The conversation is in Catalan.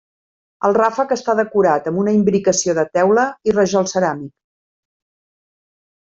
El ràfec està decorat amb una imbricació de teula i rajol ceràmic.